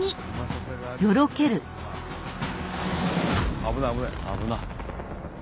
危ない危ない。